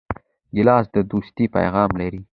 ګیلاس د دوستۍ پیغام لري.